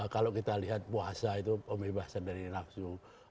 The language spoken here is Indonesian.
kalau kita lihat puasa itu pembebasan dari nafsu